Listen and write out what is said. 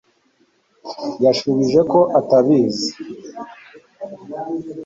yashubije ko atabizi